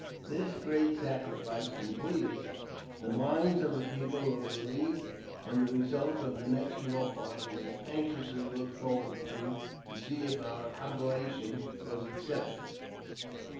"^^ This great sacrifice completed, the minds of the people were relieved, and the result of the next war party was anxiously looked forward to to see if our oblation was accepted.